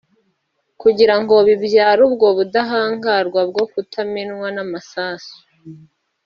kugira ngo bibyare ubwo budahangarwa bwo kutamenwa n’amasasu